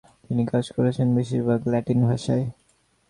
তিনি কাজ করেছেন বেশিরভাগ ল্যাটিন ভাষায়।